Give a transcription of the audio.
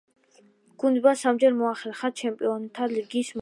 გუნდმა სამჯერ მოახერხა ჩემპიონთა ლიგის მოგება.